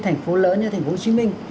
thành phố lớn như thành phố hồ chí minh